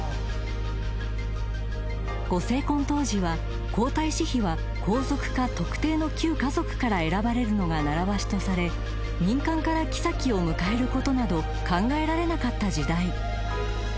［ご成婚当時は皇太子妃は皇族か特定の旧華族から選ばれるのが習わしとされ民間からきさきを迎えることなど考えられなかった時代］